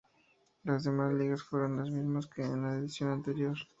Las demás ligas fueron las mismas que en la edición anterior.